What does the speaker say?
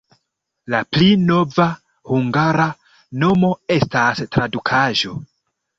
La pli nova hungara nomo estas tradukaĵo.